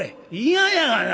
「嫌やがな。